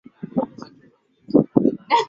Unavyopendeza jinsi ya tausi.